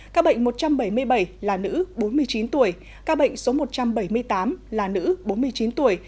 các bệnh một trăm bảy mươi bảy là nữ bốn mươi chín tuổi các bệnh số một trăm bảy mươi tám là nữ bốn mươi chín tuổi